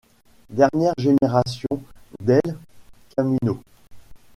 Dernière génération d'El Camino.